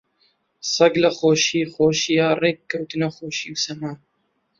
سەگ لە خۆشی خۆشییا ڕێک کەوتنە خۆشی و سەما